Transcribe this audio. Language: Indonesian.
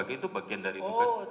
itu bagian dari tugas